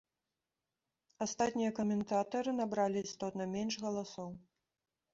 Астатнія каментатары набралі істотна менш галасоў.